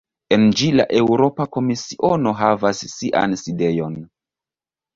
En ĝi la Eŭropa Komisiono havas sian sidejon.